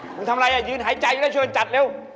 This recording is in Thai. มึงทำอะไรยืนหายใจอยู่แล้วชวนจัดเร็ว